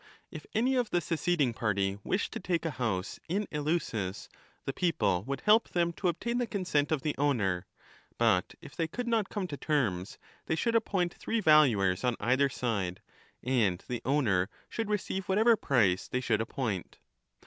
If any of the seceding party wished to take a house in Eleusis, the people would help them to obtain the consent of the owner ; but if they could not come to terms, they should appoint three valuers on either side, and the owner should receive whatever price they should appoint.